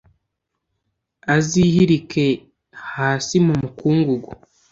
azihirike hasi mu mukungugu.